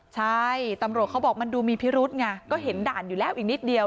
ใช่ตำรวจเขาบอกมันดูมีพิรุษไงก็เห็นด่านอยู่แล้วอีกนิดเดียว